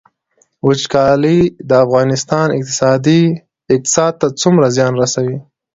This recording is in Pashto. وچکالي د افغانستان اقتصاد ته څومره زیان رسوي؟